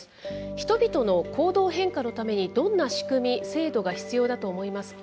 人々の行動変化のためにどんな仕組み、制度が必要だと思いますか。